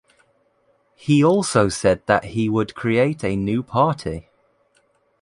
He also said that he would create a new party.